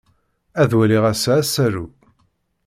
Ad waliɣ ass-a asaru.